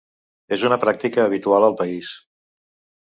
És una pràctica habitual al país.